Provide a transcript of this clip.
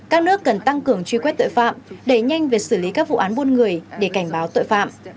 các nước cần tăng cường truy quét tội phạm đẩy nhanh về xử lý các vụ án buôn người để cảnh báo tội phạm